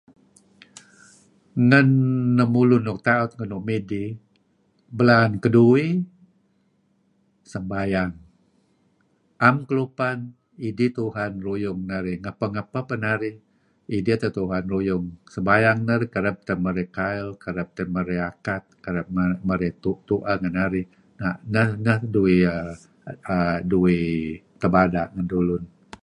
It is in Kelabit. Ngen lemulun nuk taut belaan keduih sembayang. Am kelupan idih Tuhan ruyung ngapeh-ngapeh peh narih Idih teh Tuhan iring narih. Sembayang narih kereb teh marey kail. kereb teh Iyeh marey akat, kereb marey tueh ngen narih. Neh duih, duih tebada' ngen dulun.